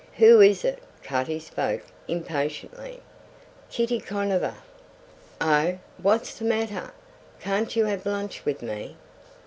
"Who is it?" Cutty spoke impatiently. "Kitty Conover." "Oh! What's the matter? Can't you have lunch with me?"